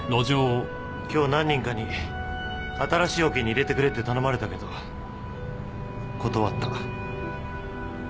今日何人かに新しいオケに入れてくれって頼まれたけど断った。